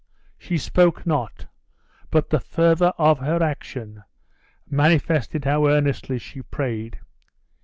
She spoke not, but the fervor of her action manifested how earnestly she prayed.